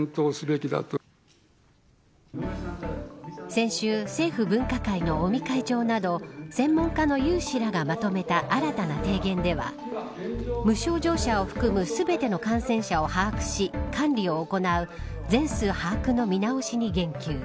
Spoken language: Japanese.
先週、政府分科会の尾身会長など専門家の有志らがまとめた新たな提言では無症状者を含む全ての感染者を把握し管理を行う全数把握の見直しに言及。